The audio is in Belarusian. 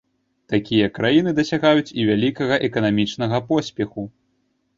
Такія краіны дасягаюць і вялікага эканамічнага поспеху.